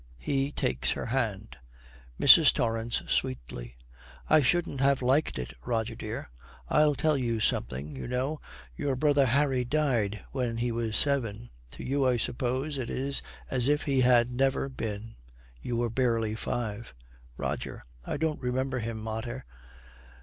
He takes her hand. MRS. TORRANCE, sweetly, 'I shouldn't have liked it, Rogie dear. I'll tell you something. You know your brother Harry died when he was seven. To you, I suppose, it is as if he had never been. You were barely five. ROGER. 'I don't remember him, mater.'